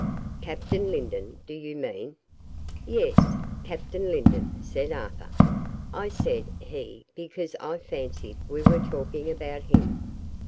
"Captain Lindon, do you mean?" "Yes Captain Lindon," said Arthur: "I said 'he,' because I fancied we were talking about him.